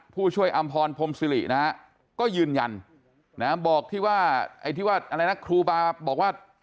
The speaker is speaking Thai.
ผู้ช่วยอำพรพรหมศิรินะก็ยืนยันบอกที่ว่าครูบารูปนี้